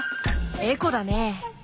エコだね。